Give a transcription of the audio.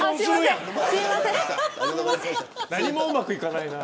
何もうまくいかないな。